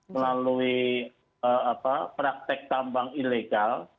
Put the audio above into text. melalui praktek tambang ilegal